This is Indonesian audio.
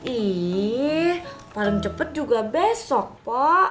ih paling cepet juga besok po